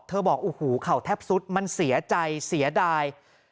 บอกโอ้โหเข่าแทบสุดมันเสียใจเสียดาย